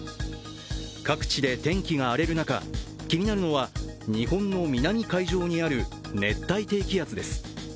各地で天気が荒れる中、気になるのは日本の南海上にある熱帯的圧です。